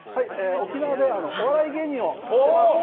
沖縄でお笑い芸人をしてます